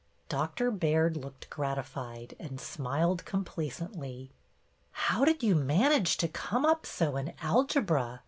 Doctor Baird looked gratified and smiled complacently. " How did you manage to come up so in alcebra.